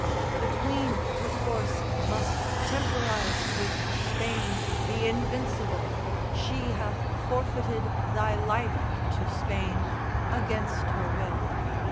The Queen, perforce, must temporise with Spain, The Invincible! She hath forfeited thy life To Spain, against her will.